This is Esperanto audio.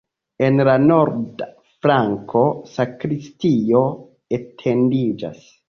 En la norda flanko sakristio etendiĝas.